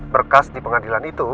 berkas di pengadilan itu